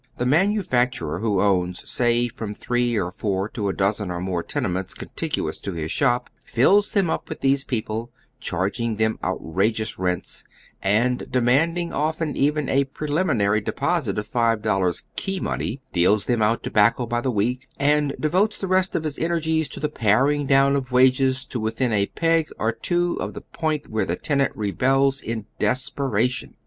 The manufacturer who owns, sav, from three or four to a dozen or more tenements contiguous to his shop, fills them np with these people, charging them outrageous rents, and demanding often even a preliminary deposit of five dollars *' key money ;" deals thein out tobacco by the week, and devotes the rest of his ener gies to the paring down of wages to within a peg or two of the point where tiie tenant rebels in desperation.